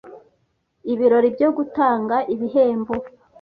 ibirori byo gutanga ibihembo